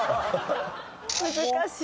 難しい。